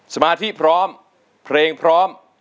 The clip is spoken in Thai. สมาธิพร้อมเพลงพร้อม